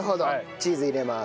チーズ入れます。